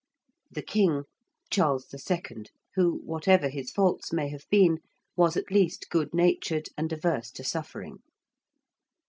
~The King~: Charles II., who, whatever his faults may have been, was at least good natured and averse to suffering.